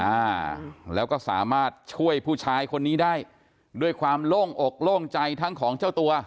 อ่าแล้วก็สามารถช่วยผู้ชายคนนี้ได้ด้วยความโล่งอกโล่งใจทั้งของเจ้าตัว